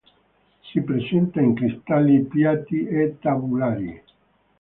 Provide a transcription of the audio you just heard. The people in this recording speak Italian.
Si presenta in cristalli piatti e tabulari.